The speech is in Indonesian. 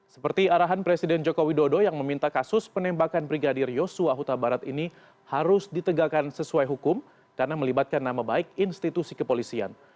seperti arahan presiden joko widodo yang meminta kasus penembakan brigadir yosua huta barat ini harus ditegakkan sesuai hukum karena melibatkan nama baik institusi kepolisian